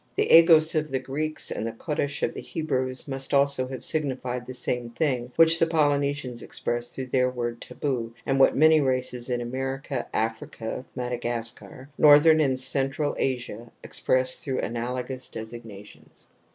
The a^yo's of the Greeks and the Kodaush of the Hebrews must also have sig nified the same thing which the Polynesians ex press through their word taboo and what many races in America, Africa (Madagascar), North and Central Asia express through analogous designations.